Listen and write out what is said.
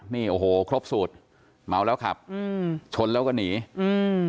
นี่โอ้โหครบสูตรเมาแล้วขับอืมชนแล้วก็หนีอืม